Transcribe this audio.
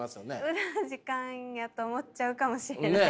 無駄な時間やと思っちゃうかもしれない。